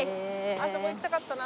あそこ行きたかったな。